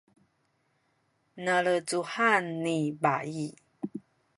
nalecuhan ni bayi